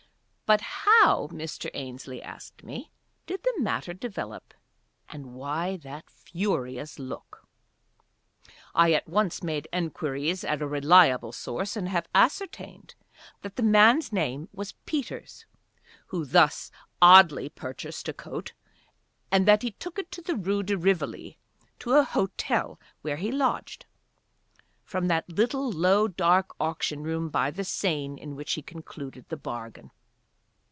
But how, Mr. Ainslie asked me, did the matter develop, and why that furious look? I at once made enquiries at a reliable source and have ascertained that the man's name was Peters, who thus oddly purchased a coat, and that he took it to the Rue de Rivoli, to a hotel where he lodged, from the little low, dark auction room by the Seine in which he concluded the bargain.